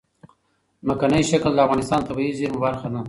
ځمکنی شکل د افغانستان د طبیعي زیرمو برخه ده.